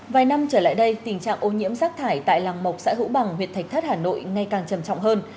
vài năm trở lại đây tình trạng ô nhiễm rác thải tại làng mộc xã hữu bằng huyện thạch thất hà nội ngày càng trầm trọng hơn